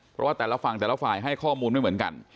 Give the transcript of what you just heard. เพราะว่าแต่ละฝั่งแต่ละฝ่ายให้ข้อมูลไม่เหมือนกัน